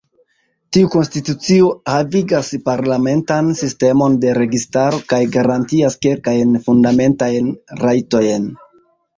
Tiu konstitucio havigas parlamentan sistemon de registaro kaj garantias kelkajn fundamentajn rajtojn.